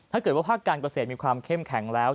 ถ้าเกิดว่าภาคการเกษตรมีความเข้มแข็งแล้ว